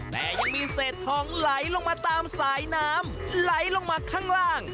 แต่ยังมีเศษทองไหลลงมาตามสายน้ำไหลลงมาข้างล่าง